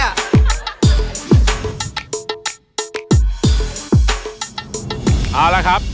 เอาละครับ